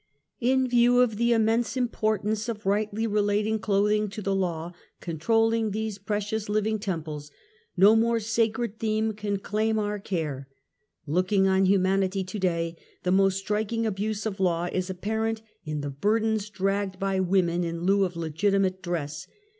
In view of the immense importance of rightly re lating clothing to the law controlling these precious living temples, no more sacred theme can claim our care. Looking on humanity to day, the most strik ing abuse of law is apparent in the burdeus dragged by women in lieu of legitimate dress.